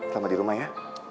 selamat di rumah ya